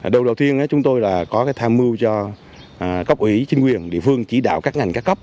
đầu đầu tiên chúng tôi là có tham mưu cho cấp ủy chính quyền địa phương chỉ đạo các ngành các cấp